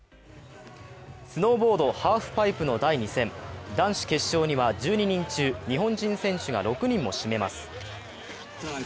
スノーボード・ハーフパイプの第２戦、男子決勝には１２人中日本人選手が６人も占めます。